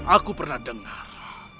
aku pernah dengar